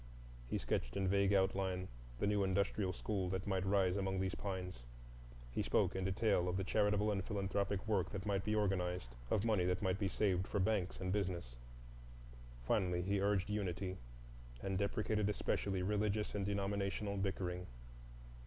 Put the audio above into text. He sketched in vague outline the new Industrial School that might rise among these pines, he spoke in detail of the charitable and philanthropic work that might be organized, of money that might be saved for banks and business. Finally he urged unity, and deprecated especially religious and denominational bickering.